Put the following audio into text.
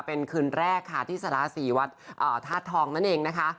เป็นคืนแรกค่ะที่สาราศรีวัดธาตุทองนั่นเองนะคะ